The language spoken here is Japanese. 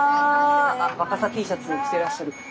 あ若桜Ｔシャツ着てらっしゃる。